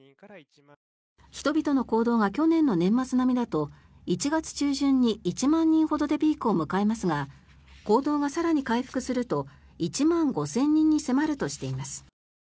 人々の行動が去年の年末並みだと１月中旬に１万人ほどでピークを迎えますが行動が更に回復すると１万５０００人に迫るとしています。